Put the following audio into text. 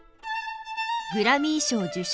グラミー賞受賞